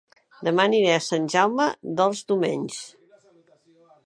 Dema aniré a Sant Jaume dels Domenys